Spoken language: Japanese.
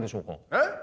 えっ？